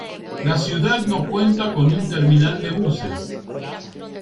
La ciudad no cuenta con un terminal de buses.